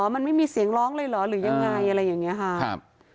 มันไม่มีเสียงร้องเลยเหรอหรือยังไงอะไรอย่างนี้ค่ะ